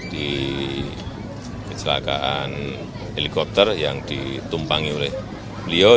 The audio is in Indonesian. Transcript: di kecelakaan helikopter yang ditumpangi oleh beliau